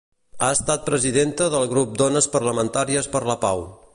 Ha estat presidenta del Grup Dones Parlamentàries per la Pau.